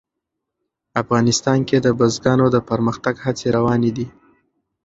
افغانستان کې د بزګانو د پرمختګ هڅې روانې دي.